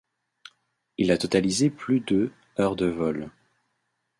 Il a totalisé plus de heures de vol.